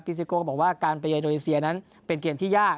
ซิโก้ก็บอกว่าการไปเยโดนีเซียนั้นเป็นเกมที่ยาก